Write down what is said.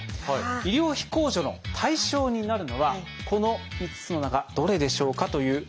医療費控除の対象になるのはこの５つの中どれでしょうかという問題です。